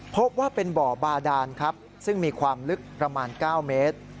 พบว่าเป็นบ่อบาดานครับซึ่งมีความลึกประมาณ๙เมตร